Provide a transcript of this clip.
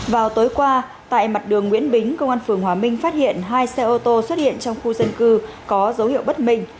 vào tối qua tại mặt đường nguyễn bính công an phường hòa minh phát hiện hai xe ô tô xuất hiện trong khu dân cư có dấu hiệu bất minh